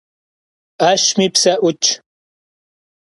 'eşmi pse 'Utş.